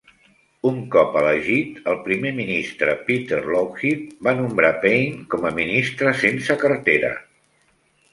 Un cop elegit, el primer ministre Peter Lougheed va nombrar Payne com a ministre sense cartera.